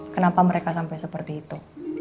kenapa mereka sampai seperti itu